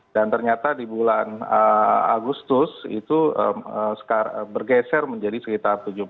dan ternyata di bulan agustus itu bergeser menjadi sekitar tujuh